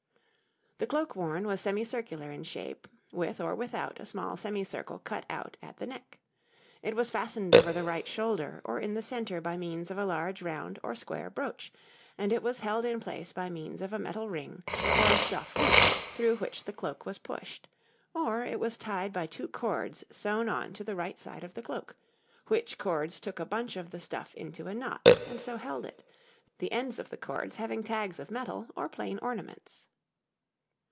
The cloak worn was semicircular in shape, with or without a small semicircle cut out at the neck. It was fastened over the right shoulder or in the centre by means of a large round or square brooch, or it was held in place by means of a metal ring or a stuff loop through which the cloak was pushed; or it was tied by two cords sewn on to the right side of the cloak, which cords took a bunch of the stuff into a knot and so held it, the ends of the cords having tags of metal or plain ornaments.